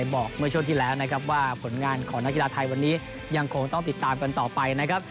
บอกเมื่อช่วงที่แล้วนะครับว่าผลงานของนักกีฬาไทยวันนี้ยังคงต้องติดตามกันต่อไปนะครับ